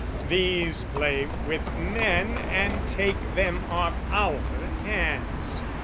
"These play with men and take them off our hands.